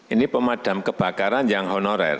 ini pemadam kebakaran yang honorer